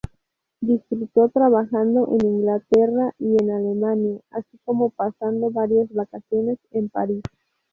Disfrutó trabajando en Inglaterra y en Alemania, así como pasando varias vacaciones en París.